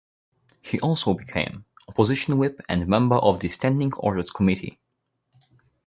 He also became Opposition Whip and member of the Standing Orders Committee.